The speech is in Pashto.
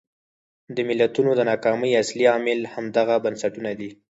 د ملتونو د ناکامۍ اصلي عامل همدغه بنسټونه دي.